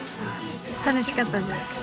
楽しかったです。